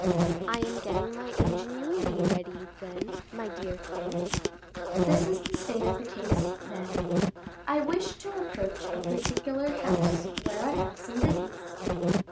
"I am getting my ingenuity ready, then, my dear comte." "This is the state of the case, then: I wish to approach a particular house, where I have some business."